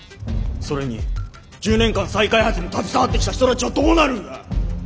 それに１０年間再開発に携わってきた人たちはどうなるんだ！